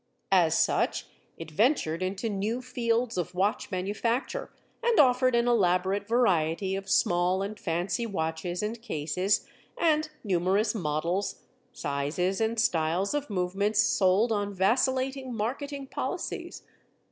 As such it ventured into new fields of watch manufacture and offered an elaborate variety of small and fancy watches and cases, and numerous models, sizes, and styles of movements sold on vacillating marketing policies.